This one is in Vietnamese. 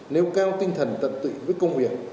nếu cao tinh thần tận tụy với công việc